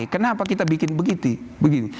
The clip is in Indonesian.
kenapa kita bikin begitu